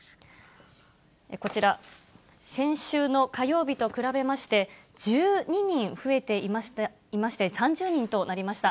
こちら、先週の火曜日と比べまして、１２人増えていまして、３０人となりました。